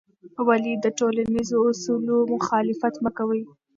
ولې د ټولنیزو اصولو مخالفت مه کوې؟